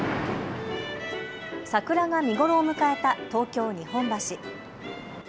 桜が見頃を迎えた東京日本橋。